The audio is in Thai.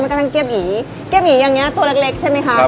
มันก็ตั้งเกียบหยีเกียบหยีอย่างเงี้ยตัวเล็กใช่ไหมค่ะ